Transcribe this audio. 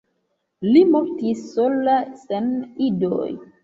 Li mortis sola sen idoj.